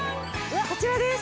こちらです。